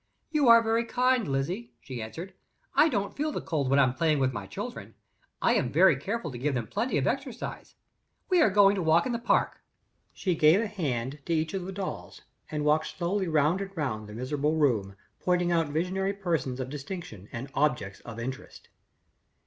"You are very kind, Lizzie," she answered. "I don't feel the cold when I am playing with my children. I am very careful to give them plenty of exercise, we are going to walk in the Park." She gave a hand to each of the dolls, and walked slowly round and round the miserable room, pointing out visionary persons of distinction and objects of interest.